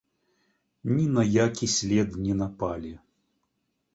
Ні на які след не напалі.